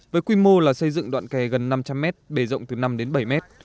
với quy mô là xây dựng đoạn kè gần năm trăm linh mét bề rộng từ năm đến bảy mét